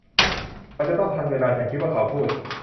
เราจะต้องทันเวลาฉันคิดว่าเขาพูด